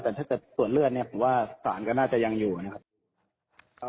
แต่ถ้าเกิดส่วนเลือดเนี่ยผมว่าสารก็น่าจะยังอยู่นะครับ